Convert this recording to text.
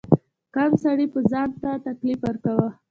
کم سړي به ځان ته تکلیف ورکاوه.